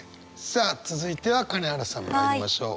さあ続いては金原さんまいりましょう。